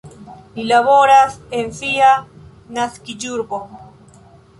Li laboras en sia naskiĝurbo.